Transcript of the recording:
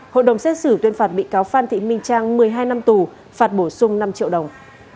hội đồng xét xử tuyên phạt bị cáo phan thị minh trang một mươi hai năm tù phạt bổ sung năm triệu đồng